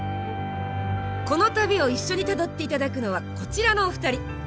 この旅を一緒にたどっていただくのはこちらのお二人。